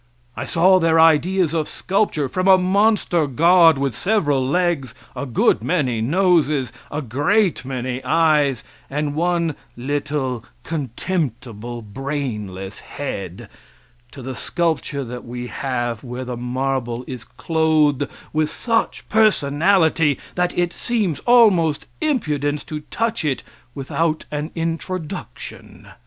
I saw their ideas of sculpture, from a monster god with several legs, a good many noses, a great many eyes, and one little, contemptible, brainless head, to the sculpture that we have, where the marble is clothed with such personality that it seems almost impudence to touch it without an introduction.